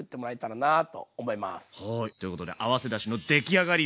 ということで合わせだしの出来上がり！